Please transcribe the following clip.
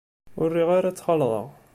Ur riɣ ara ad t-xalḍeɣ.